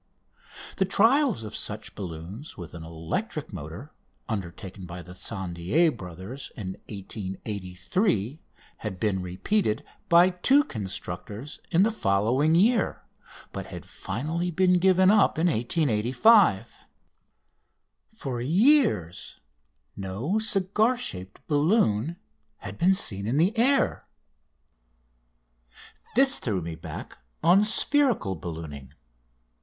The trials of such balloons with an electric motor, undertaken by the Tissandier brothers in 1883, had been repeated by two constructors in the following year, but had been finally given up in 1885. For years no "cigar shaped" balloon had been seen in the air. This threw me back on spherical ballooning.